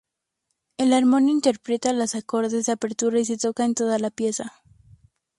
El armonio interpreta los acordes de apertura y se toca en toda la pieza.